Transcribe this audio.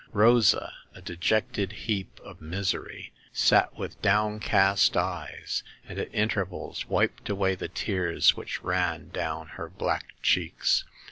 Rosa, a dejected heap of mis ery, sat with downcast eyes, and at intervals wiped away the tears which ran down her black cheeks.